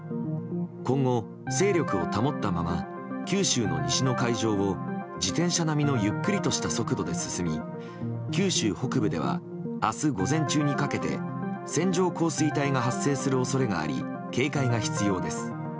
今後、勢力を保ったまま九州の西の海上を自転車並みのゆっくりとした速度で進み九州北部では明日午前中にかけて線状降水帯が発生する恐れがあり警戒が必要です。